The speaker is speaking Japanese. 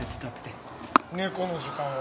猫の時間を？